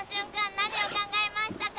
何を考えましたか？